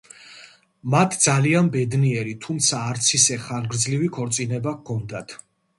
მათ ძალიან ბედნიერი, თუმცა არც ისე ხანგრძლივი ქორწინება ჰქონდათ.